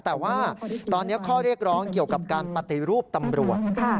แต่ว่าตอนนี้ข้อเรียกร้องเกี่ยวกับการปฏิรูปตำรวจ